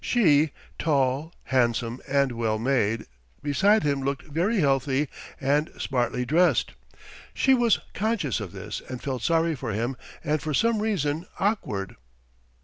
She, tall, handsome, and well made, beside him looked very healthy and smartly dressed; she was conscious of this and felt sorry for him and for some reason awkward.